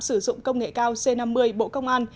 sử dụng công nghệ cao c năm mươi bộ công an